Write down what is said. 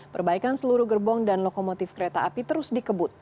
perbaikan seluruh gerbong dan lokomotif kereta api terus dikebut